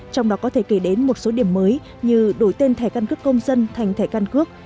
trong đó có thể kể đến một số điểm mới như đổi tên thẻ căn cước công dân thành thẻ căn cước